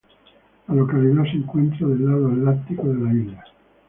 La localidad se encuentra del lado Atlántico de la isla.